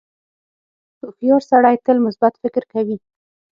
• هوښیار سړی تل مثبت فکر کوي.